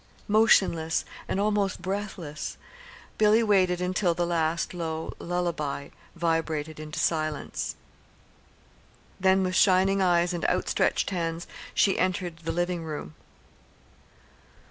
Motionless and almost breathless, Billy waited until the last low "lul la by" vibrated into silence; then with shining eyes and outstretched hands she entered the living room.